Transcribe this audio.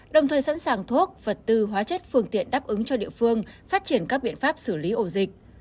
đồng thời sẵn sàng thuốc vật tư hóa chất phương tiện đáp ứng cho địa phương phát triển các biện pháp xử lý ổ dịch